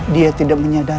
tidak bisa diden exclusiano